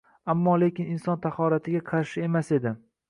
Ammo-lekin inson tahoratiga qarshi emas edi!